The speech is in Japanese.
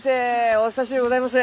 お久しゅうございます！